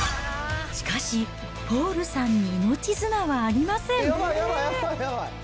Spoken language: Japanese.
しかし、ポールさんに命綱はありません。